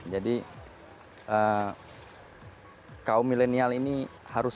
kaum milenial ini harus